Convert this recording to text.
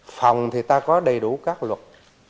phòng thì ta có đầy đủ các luật